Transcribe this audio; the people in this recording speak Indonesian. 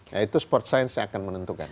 nah itu sport science yang akan menentukan